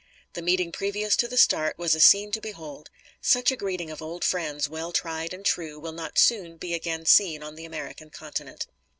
The meeting previous to the start was a scene to behold. Such a greeting of old friends, well tried and true, will not soon be again seen on the American continent.